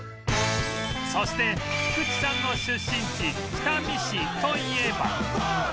そして菊地さんの出身地北見市といえば